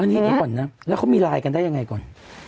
เดี๋ยวก่อนนะแล้วเขามีไลน์กันได้ยังไงก่อน